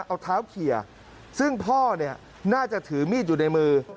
เอาเท้าเขียซึ่งพ่อเนี่ยน่าจะถือมีดอยู่ในมือ